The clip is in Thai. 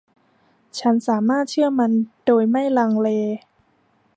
ฉันสามารถเชื่อมันโดยไม่ลังเล